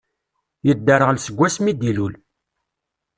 Yedderɣel seg wass mi d-ilul.